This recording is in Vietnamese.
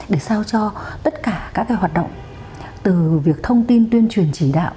để sao cho tất cả các cái hoạt động từ việc thông tin tuyên truyền chỉ đạo